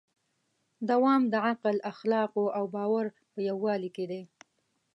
دوام د عقل، اخلاقو او باور په یووالي کې دی.